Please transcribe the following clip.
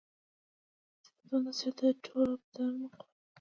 صحتمند زړه د ټول بدن قوت زیاتوي.